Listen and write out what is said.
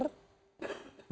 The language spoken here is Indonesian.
dari ujung utara